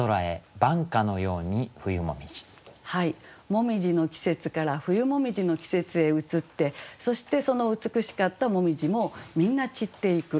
紅葉の季節から冬紅葉の季節へ移ってそしてその美しかった紅葉もみんな散っていく。